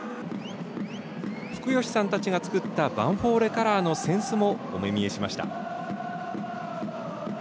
福吉さんたちが作ったヴァンフォーレカラーの扇子もお目見えしました。